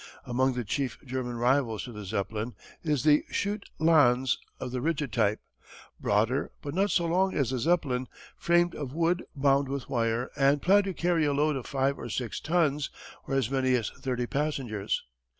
Among the chief German rivals to the Zeppelin is the Schutte Lanz, of the rigid type, broader but not so long as the Zeppelin, framed of wood bound with wire and planned to carry a load of five or six tons, or as many as thirty passengers.